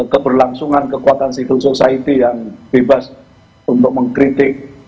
keberlangsungan kekuatan civil society yang bebas untuk mengkritik